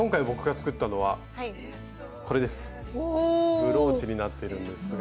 ブローチになってるんですが。